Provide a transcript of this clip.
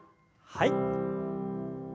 はい。